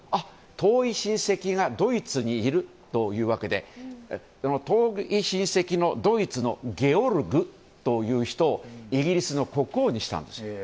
遠い親戚がドイツにいるというわけで遠い親戚のドイツのゲオルグという人をイギリスの国王にしたんですよ。